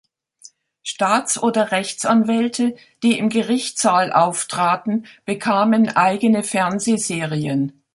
Staats- oder Rechtsanwälte, die im Gerichtssaal auftraten, bekamen eigene Fernsehserien.